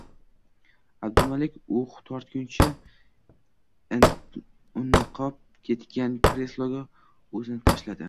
Abdumalik uh tortgancha unniqib ketgan kresloga o`zini tashladi